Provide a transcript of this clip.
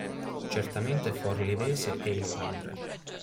Certamente forlivese è il padre.